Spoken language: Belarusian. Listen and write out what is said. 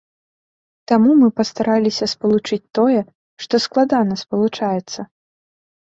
Таму мы пастараліся спалучыць тое, што складана спалучаецца.